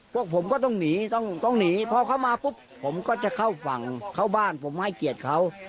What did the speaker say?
พวกผมก็ต้องหนีต้องหนีพอเขามาปุ๊บผมก็จะเข้าฝั่งเข้าบ้านผมให้เกียรติเขา